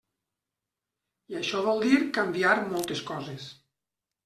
I això vol dir canviar moltes coses.